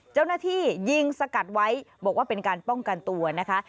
เจ้าหน้าที่ยิงสกัดไว้บอกว่าเป็นการป้องกันตัวนะคะ